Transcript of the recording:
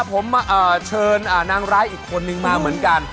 ผมเชิญนางร้ายอีกคนนึงมาเหมือนกัน